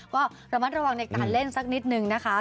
ก็ระมัดระวังในการเล่นสักนิดนึงนะคะ